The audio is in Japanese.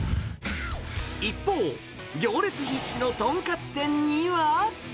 一方、行列必至の豚カツ店には。